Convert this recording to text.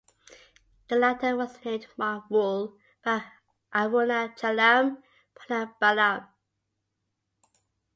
The latter was named "mob rule" by Arunachalam Ponnambalam.